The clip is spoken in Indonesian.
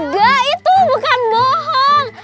gak itu bukan bohong